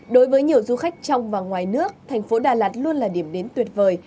đối với nhiều du khách trong và ngoài nước thành phố đà lạt luôn là điểm đến tuyệt vời